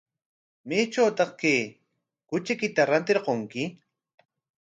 ¿Maytrawtaq chay kachuchaykita rantirqunki?